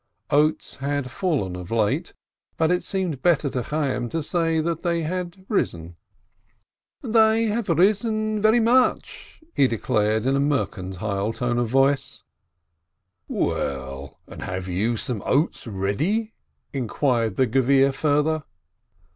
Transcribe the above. Oats had fallen of late, but it seemed better to Chay yim to say that they had risen. "They have risen very much !" he declared in a mer cantile tone of voice. THE CHARITABLE LOAN 395 "Well, and have you some oats ready?" inquired the Gevir further.